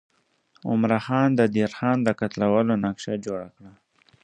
عمرا خان د دیر خان د قتلولو نقشه جوړه کړه.